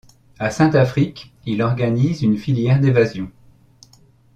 À Saint-Affrique, il organise une filière d'évasion.